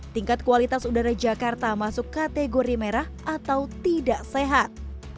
tingkat kualitas udara jakarta masuk kategori merah atau tidak sehat